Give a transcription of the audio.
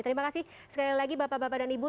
terima kasih sekali lagi bapak bapak dan ibu